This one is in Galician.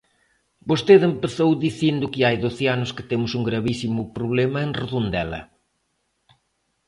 Vostede empezou dicindo que hai doce anos que temos un gravísimo problema en Redondela.